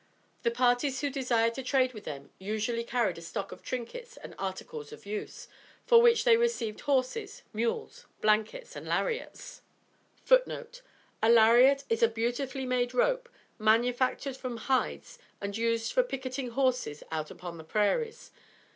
The parties who desired to trade with them usually carried a stock of trinkets and articles of use, for which they received horses, mules, blankets and lariets. [Footnote 13: A lariet is a beautifully made rope, manufactured from hides and used for picketing horses out upon the prairies.